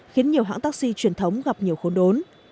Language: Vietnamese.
khiến nhiều hãng taxi truyền thống gặp nhiều khốn đốn